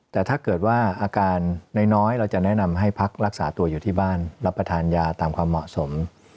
แต่ถ้าเกิดว่าอาการน้อยเราจะแนะนำให้พักรักษาตัวอยู่ที่บ้านรับประทานยาตามความเหมาะสม